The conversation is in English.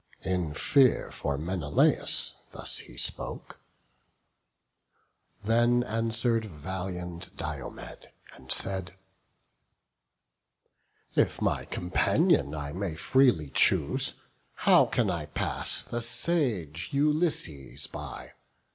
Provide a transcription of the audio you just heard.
In fear for Menelaus thus he spoke: Then answer'd valiant Diomed, and said; "If my companion I may freely choose, How can I pass the sage Ulysses by?